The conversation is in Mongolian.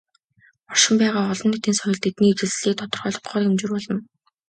Оршин байгаа "олон нийтийн соёл" тэдний ижилслийг тодорхойлох гол хэмжүүр болно.